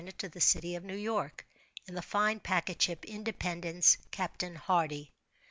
to the city of New York, in the fine packet ship "Independence," Captain Hardy.